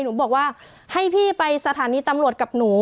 หนูบอกว่าให้พี่ไปสถานีตำรวจกับหนู